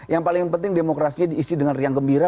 yang paling penting demokrasinya diisi dengan riang gembira